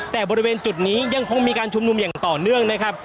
แต่บริเวณจุดนี้ยังคงมีการชุมนุมอย่างต่อเนื่องนะครับ